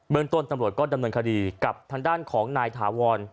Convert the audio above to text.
เมืองต้นตำรวจก็ดำเนินคดีกับทางด้านของนายถาวร